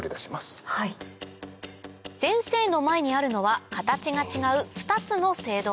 先生の前にあるのは形が違う２つの声道